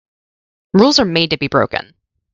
Rules are made to be broken.